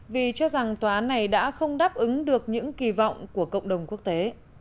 vì cho rằng tòa án này đã không đáp ứng được những kỳ vọng của cộng đồng quốc tế